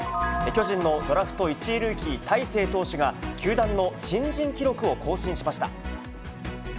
巨人のドラフト１位ルーキー、大勢投手が、球団の新人記録を更新しました。